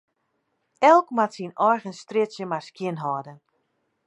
Elk moat syn eigen strjitsje mar skjinhâlde.